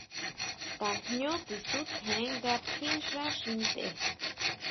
Tajñú kuisutjen nga tjín xá xi ntʼe.